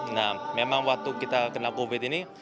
nah memang waktu kita kena covid ini